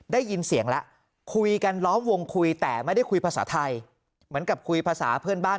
ได้ยินเสียงแล้วคุยกันล้อมวงคุยแต่ไม่ได้คุยภาษาไทยเหมือนกับคุยภาษาเพื่อนบ้าน